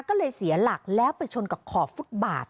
ก็เลยเสียหลักแล้วไปชนกับขอบฟุตบาท